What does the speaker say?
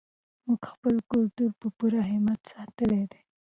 موږ خپل کلتور په پوره همت ساتلی دی.